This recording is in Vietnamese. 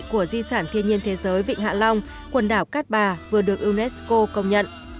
của di sản thiên nhiên thế giới vịnh hạ long quần đảo cát bà vừa được unesco công nhận